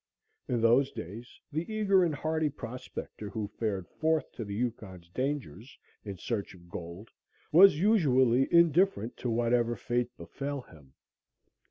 In those days the eager and hardy prospector who fared forth to the Yukon's dangers in search of gold was usually indifferent to whatever fate befell him.